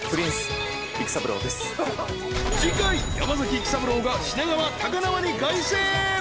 ［次回山崎育三郎が品川高輪に凱旋］